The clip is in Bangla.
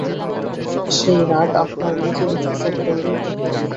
সেই রাগ আপনার নিজের একটি প্রত্যঙ্গের ওপর।